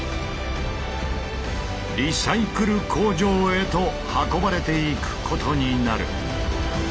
リサイクル工場へと運ばれていくことになる。